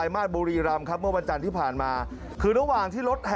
ไม่ใช่ความคิด